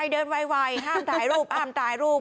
เดินไวห้ามถ่ายรูปอ่ำถ่ายรูป